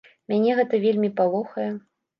Мяне гэта вельмі палохае.